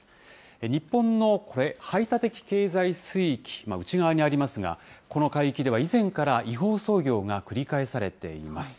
日本の排他的経済水域、内側にありますが、この海域では以前から違法操業が繰り返されています。